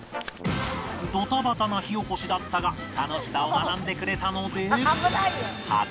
ドタバタな火おこしだったが楽しさを学んでくれたので